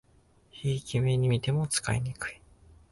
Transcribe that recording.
ひいき目にみても使いにくい